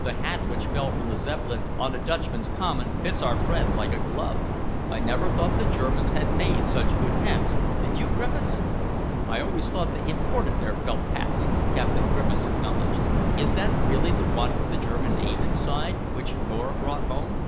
The hat which fell from the Zeppelin on to Dutchman's Common fits our friend like a glove. I never thought the Germans made such good hats, did you, Griffiths?" "I always thought they imported their felt hats," Captain Griffiths acknowledged. "Is that really the one with the German name inside, which Miss Nora brought home?"